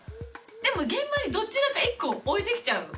でも現場にどちらか１個を置いてきちゃうの。